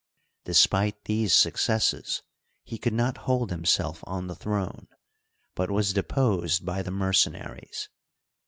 Despite these successes, he could not hold himself on the throne, but was deposed by the mercenaries.